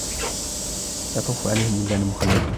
يَطُوفُ عَلَيْهِمْ وِلْدَانٌ مُّخَلَّدُونَ